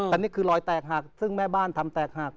แต่นี่คือรอยแตกหักซึ่งแม่บ้านทำแตกหัก